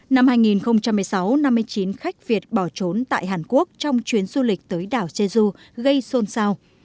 năm hai nghìn một mươi sáu năm mươi chín khách việt bỏ trốn tại hàn quốc trong chuyến du lịch tới đảo jeju gây xôn xao